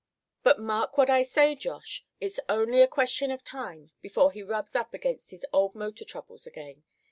But mark what I say, Josh, it's only a question of time before he rubs up against his old motor troubles again.